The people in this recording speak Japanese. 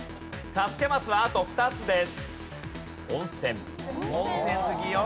助けマスはあと２つです。